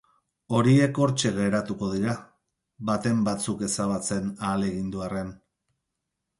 Horiek hortxe geratuko dira, baten batzuk ezabatzen ahalegindu arren.